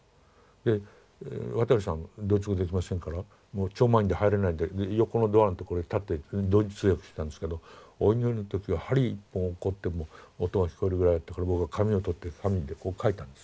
で渡さんドイツ語できませんから超満員で入れないで横のドアのところに立って同時通訳したんですけどお祈りの時は針１本落っこっても音が聞こえるぐらいだったから僕は紙を取って紙にこう書いたんです。